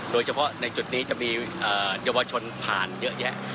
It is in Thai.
โดยเฉพาะในจุดนี้จะมีเยาวชนผ่านเยอะแยะ